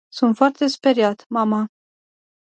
Sunt foarte speriat, mama.